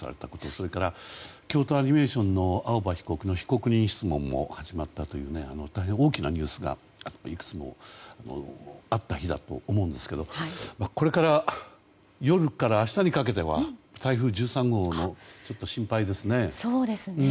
そして京都アニメーションの事件の青葉被告の被告人質問も始まったという大変大きなニュースがいくつもあった日だと思うんですけどこれから夜から明日にかけては台風１３号が心配ですね。